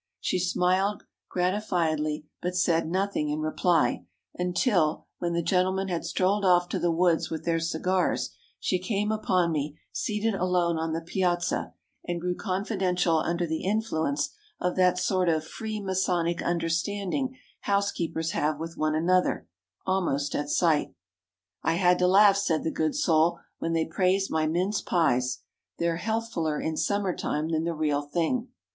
She smiled gratifiedly, but said nothing in reply, until, when the gentlemen had strolled off to the woods with their cigars, she came upon me, seated alone on the piazza, and grew confidential under the influence of that sort of free masonic understanding housekeepers have with one another, almost at sight. "I had to laugh," said the good soul, "when they praised my mince pies. They're healthfuller in summer time than the real thing."